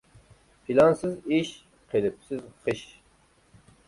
پىلانسىز ئىش، قېلىپسىز خىش.